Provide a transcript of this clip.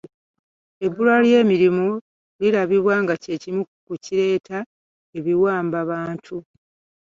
Ebbulwa ly'emirimu lirabibwa ng'ekimu ku kireeta ebiwambabantu.